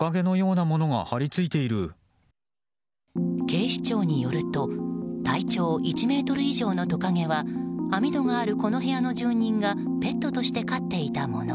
警視庁によると体長１ｍ以上のトカゲは網戸があるこの部屋の住人がペットとして飼っていたもの。